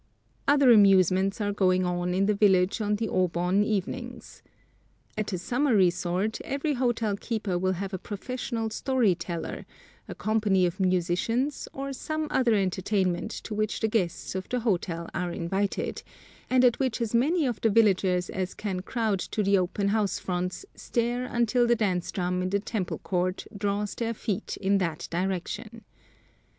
Other amusements are going on in the village on the O Bon evenings. At a summer resort every hotel keeper will have a professional story teller, a company of musicians, or some other entertainment to which the guests of the hotel are invited, and at which as many of the villagers as can crowd to the open house fronts stare until the dance drum in the temple court draws their feet in that direction.